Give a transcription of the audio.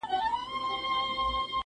جهاني سجدې به یو سم د پلرونو ترمحرابه-